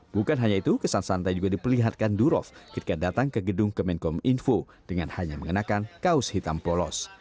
bukan hanya itu kesan santai juga diperlihatkan durov ketika datang ke gedung kemenkom info dengan hanya mengenakan kaos hitam polos